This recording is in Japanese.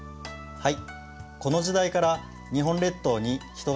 はい。